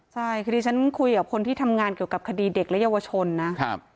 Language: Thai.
ใช่คือดิฉันคุยกับคนที่ทำงานเกี่ยวกับคดีเด็กและเยาวชนนะครับ